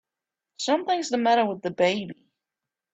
Something's the matter with the baby!